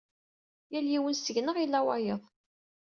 Yal yiwen seg-neɣ ila wayeḍ.